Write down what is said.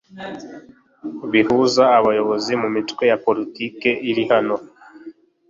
bihuza abayobozi mu mitwe ya politiki iri hano